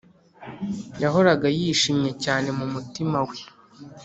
yahoraga yishimye cyane mu mutima we